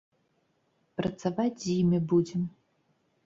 Працаваць з імі будзем.